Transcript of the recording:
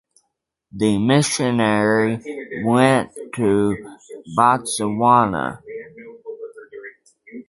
The missionary went to Botswana.